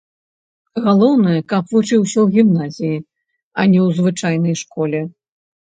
Галоўнае, каб вучыўся ў гімназіі, а не ў звычайнай школе.